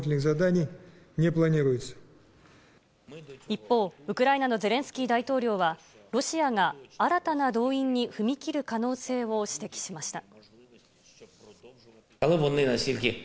一方、ウクライナのゼレンスキー大統領は、ロシアが新たな動員に踏み切る可能性を指摘しました。